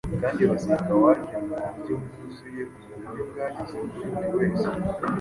kandi basenga waje mu buryo bwuzuye ku buryo wageze kuri buri wese.